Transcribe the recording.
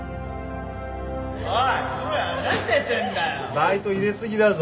バイト入れすぎだぞ。